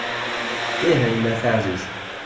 Ih a yemma taɛzizt.